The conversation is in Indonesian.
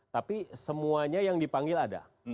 tapi semuanya yang dipanggil ada